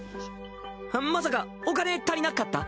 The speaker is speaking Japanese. まさかお金足りなかった？